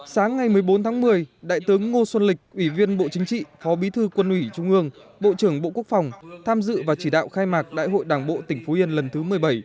sáng ngày một mươi bốn tháng một mươi đại tướng ngô xuân lịch ủy viên bộ chính trị phó bí thư quân ủy trung ương bộ trưởng bộ quốc phòng tham dự và chỉ đạo khai mạc đại hội đảng bộ tỉnh phú yên lần thứ một mươi bảy